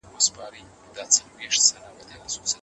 که درس په لاس ولیکل سي نو په اوږدمهاله حافظه کي ساتل کیږي.